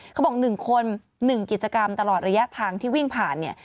เขาบอก๑คน๑กิจกรรมตลอดระยะทางที่วิ่งผ่านเนี่ย